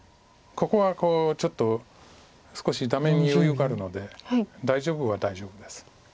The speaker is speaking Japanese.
ここはちょっと少しダメに余裕があるので大丈夫は大丈夫です。